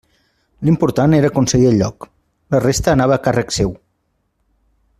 L'important era aconseguir el lloc; la resta anava a càrrec seu.